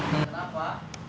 dan satu dari juru